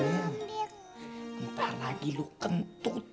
seger pasti nanti